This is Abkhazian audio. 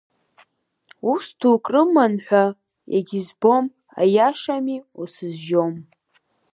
Ус дук рыман ҳәа егьызбом, аиашами усызжьом.